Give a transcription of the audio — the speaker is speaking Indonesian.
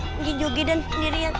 hei ngejogidan ngeriat